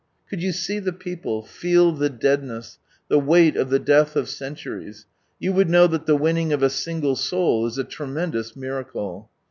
Could you see the people, feel ihe deadness, the weight of the death of centuries, you would know that the winning of a single soul is a tremendous miracle.